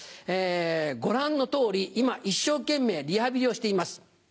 「ご覧の通り今一生懸命リハビリをしています。